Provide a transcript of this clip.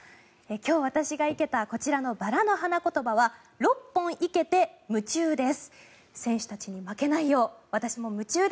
今日、私が生けたこちらのバラの花言葉は６本生けて夢中です。